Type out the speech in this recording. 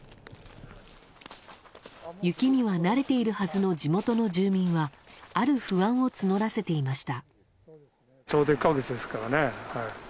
雪には慣れているはずの地元の住民はある不安を募らせていました。